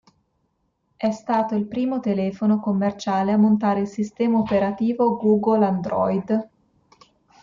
È stato il primo telefono commerciale a montare il sistema operativo Google Android.